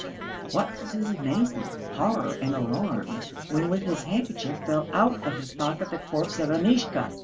What was his amazement, horror and alarm when with his handkerchief fell out of his pocket the corpse of Amishka.